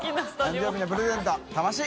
誕生日のプレゼントたわし！